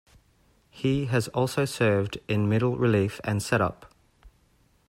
He has also served in middle relief and set-up.